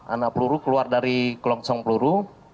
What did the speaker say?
anak peluru keluar dari kelongsong peluru